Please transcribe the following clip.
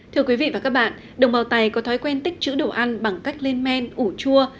thưa quý vị và các bạn đồng bào tày có thói quen tích chữ đồ ăn bằng cách lên men ủ chua